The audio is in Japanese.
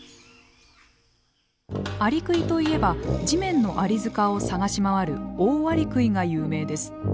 アリクイといえば地面のアリ塚を探し回るオオアリクイが有名です。